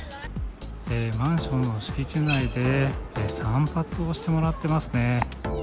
マンションの敷地内で、散髪をしてもらってますね。